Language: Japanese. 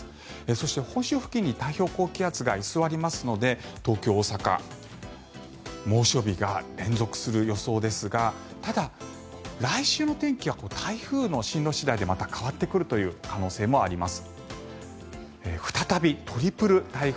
そして、本州付近に太平洋高気圧が居座りますので東京、大阪猛暑日が連続する予想ですがただ、来週の天気は台風の進路次第でまた変わってくるという可能性もあります。